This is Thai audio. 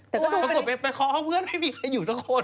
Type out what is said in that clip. แต่ก็ดูไปดีกว่าแล้วก็กดไปคอห้องเพื่อนไม่มีใครอยู่สักคน